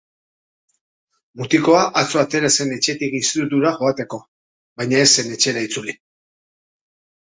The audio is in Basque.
Mutikoa atzo atera zen etxetik institutura joateko, baina ez zen etxera itzuli.